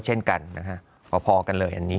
เช่นกันพอกันเลย